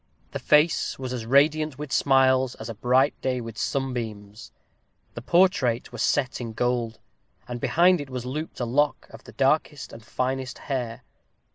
The face was as radiant with smiles as a bright day with sunbeams. The portrait was set in gold, and behind it was looped a lock of the darkest and finest hair.